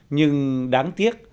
nhưng đáng tiếc